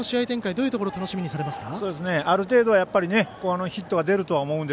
どういうところ楽しみにされますか？